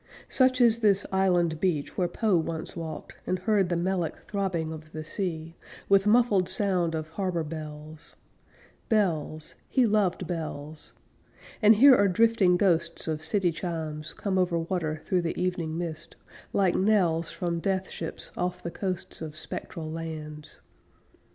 Such is this island beach where Poe once walked, And heard the melic throbbing of the sea, With muffled sound of harbor bells Bells he loved bells! And here are drifting ghosts of city chimes Come over water through the evening mist, Like knells from death ships off the coasts of spectral lands.